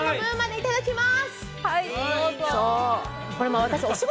いただきます！